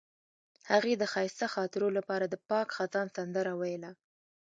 هغې د ښایسته خاطرو لپاره د پاک خزان سندره ویله.